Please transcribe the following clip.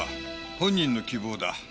本人の希望だ。